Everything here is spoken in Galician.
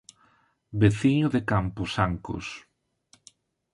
Veciño de Camposancos.